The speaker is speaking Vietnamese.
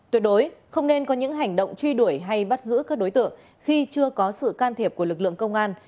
tuyệt đối không nên có những hành động truy đuổi hay bắt giữ các đối tượng khi chưa có sự can thiệp của lực lượng công an